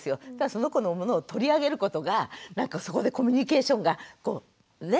その子のものを取り上げることがなんかそこでコミュニケーションがこうね？